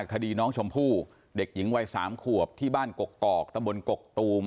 คดีน้องชมพู่เด็กหญิงวัย๓ขวบที่บ้านกกอกตะบนกกตูม